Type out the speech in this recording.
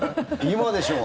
今でしょ。